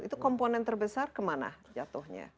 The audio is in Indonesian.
itu komponen terbesar kemana jatuhnya